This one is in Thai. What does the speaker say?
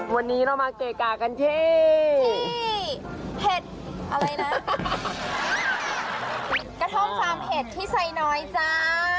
วันนี้เรามาเกะกะกันที่เผ็ดอะไรนะกระท่อมฟาร์มเผ็ดที่ไซน้อยจ้า